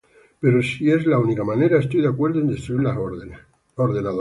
Pero si es la única manera, estoy de acuerdo en destruir los ordenadores